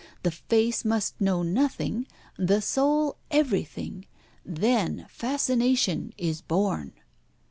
The face must know nothing, the soul everything. Then fascination is born."